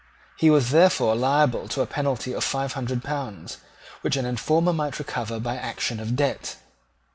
He was therefore liable to a penalty of five hundred pounds, which an informer might recover by action of debt.